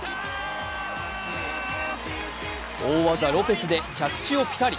大技・ロペスで着地をピタリ。